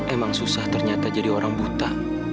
emang susah ternyata jadi orang buta